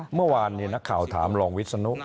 เมื่อวานนักข่าวถามรองวิศนุ